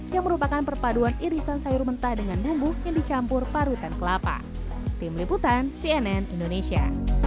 yang merupakan perpaduan irisan sayur mentah dengan bumbu yang dicampur parutan kelapa